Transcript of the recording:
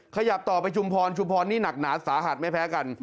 ขยับต่อไปชุมพรชุมพรนี่หนักหนาสาหัสไม่แพ้กัน